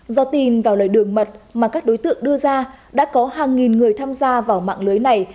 do tin vào lời đường mật mà các đối tượng đưa ra đã có hàng nghìn người tham gia vào mạng lưới này